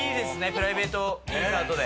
プライベートインサートで。